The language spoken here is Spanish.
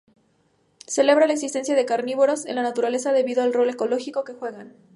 Celebra la existencia de carnívoros en la naturaleza debido al rol ecológico que juegan.